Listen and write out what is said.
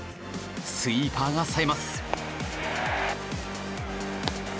スイーパーがさえます。